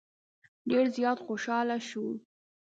ډېر زیات خوشاله شو.